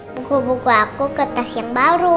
buku buku aku ke tes yang baru